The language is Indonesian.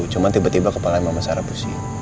cuman tiba tiba kepalan mama sarah pusing